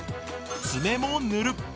爪も塗る。